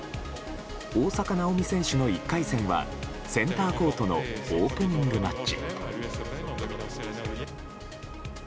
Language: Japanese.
大坂なおみ選手の１回戦はセンターコートのオープニングマッチ。